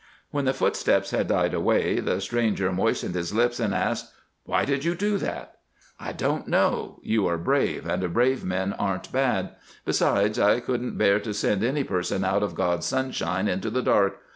When the footsteps had died away the stranger moistened his lips and asked, "Why did you do that?" "I don't know. You are brave, and brave men aren't bad. Besides, I couldn't bear to send any person out of God's sunshine into the dark.